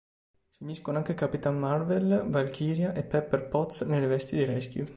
Si uniscono anche Capitan Marvel, Valchiria e Pepper Potts nelle vesti di Rescue.